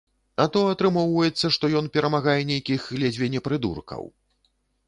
А то атрымоўваецца, што ён перамагае нейкіх ледзьве не прыдуркаў.